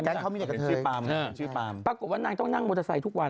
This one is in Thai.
การเข้ามีเนี่ยกะเทยชื่อปาล์มปรากฏว่านางต้องนั่งมอเตอร์ไซค์ทุกวัน